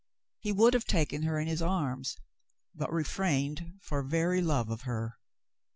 He would have taken her in his arms, but refrained for very love of her.